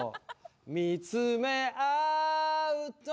見つめ合う